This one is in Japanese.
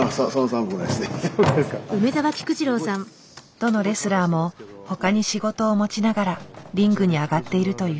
どのレスラーもほかに仕事を持ちながらリングに上がっているという。